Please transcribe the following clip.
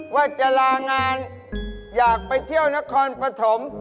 ว่าจะลางานอยากไปเที่ยวนครปฐม